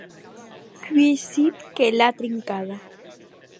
Qu'ei Sid que l'a trincada!